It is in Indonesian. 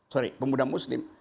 sorry pemuda muslim